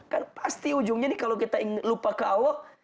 kan pasti ujungnya nih kalau kita ingin lupa ke allah